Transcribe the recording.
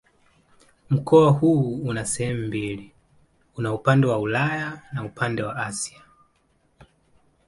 Mkoa huu una sehemu mbili: una upande wa Ulaya na upande ni Asia.